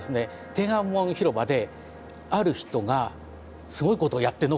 天安門広場である人がすごいことをやってのけたんですね。